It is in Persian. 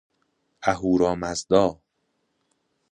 اهورمزدا